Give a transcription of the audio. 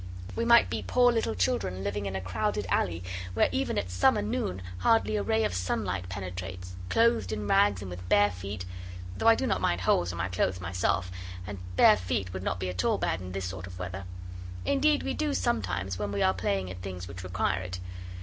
We might be poor little children living in a crowded alley where even at summer noon hardly a ray of sunlight penetrates; clothed in rags and with bare feet though I do not mind holes in my clothes myself, and bare feet would not be at all bad in this sort of weather. Indeed we do, sometimes, when we are playing at things which require it.